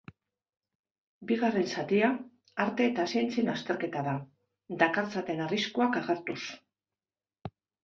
Bigarren zatia arte eta zientzien azterketa da, dakartzaten arriskuak agertuz.